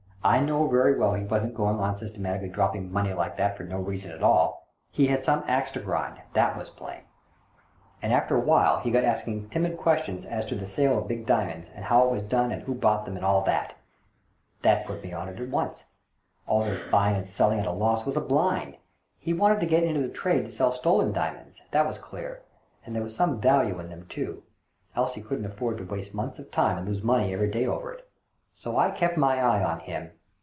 I knew very well he wasn't going on systematically dropping money like that for no reason at all. He had some axe to grind, that was plain. And after a while he got asking timid CASE OF THE ''MIRROR OF PORTUGAL" 143 questions as to the sale of big diamonds, and how it was done, and who bought them, and all that. That put me on it at once. All this bujdng and selling at a loss was a blind. He wanted to get into the trade to sell stolen diamonds, that was clear ; and there was some value in them too, else he couldn't afford to waste months of time and lose money every day over it. So I kept my eye on him.